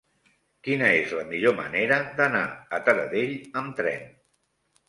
Quina és la millor manera d'anar a Taradell amb tren?